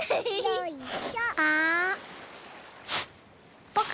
よいしょ。